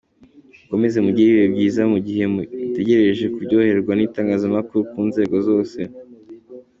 Mukomeze mugire ibihe byiza mu gihe mugitegereje kuryoherwa n'itangazamakuru ku nzego zose.